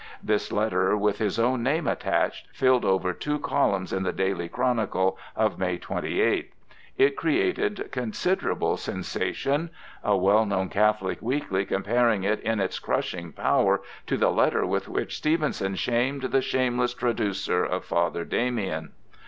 This letter, with his own name attached, filled over two columns in The Daily Chronicle of May 28th. It created considerable sensation a well known Catholic weekly comparing it 'in its crushing power to the letter with which Stevenson shamed the shameless traducer of Father Damien.'